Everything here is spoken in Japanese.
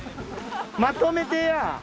まとめてや！